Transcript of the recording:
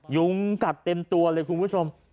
ยุงกัดเต็มตัวเลยคุณผู้ชม